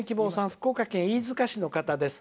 福岡県飯塚市の方です。